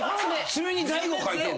爪に大悟かいてんの？